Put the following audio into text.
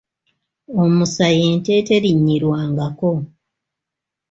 Omusa y'ente eterinnyirwangako.